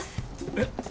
えっ？